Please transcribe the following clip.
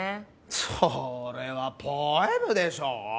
それはポエムでしょう。